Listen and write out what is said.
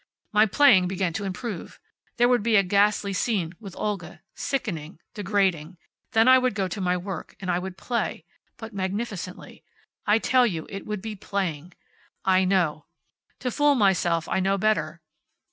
"My playing began to improve. There would be a ghastly scene with Olga sickening degrading. Then I would go to my work, and I would play, but magnificently! I tell you, it would be playing. I know. To fool myself I know better.